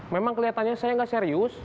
memang kelihatannya saya nggak serius